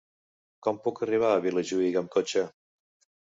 Com puc arribar a Vilajuïga amb cotxe?